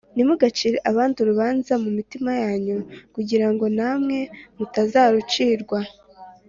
“ntimugacire abandi urubanza mu mitima yanyu, kugira ngo namwe mutazarucirwa